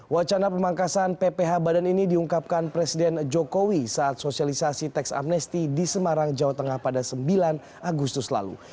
wacana pemangkasan pph badan ini diungkapkan presiden jokowi saat sosialisasi teks amnesti di semarang jawa tengah pada sembilan agustus lalu